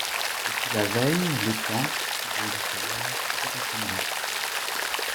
Depuis la veille, le temps, si beau jusqu’alors, s’était assombri.